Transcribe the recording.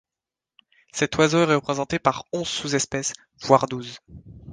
Cet oiseau est représenté par onze sous-espèces, voire douze.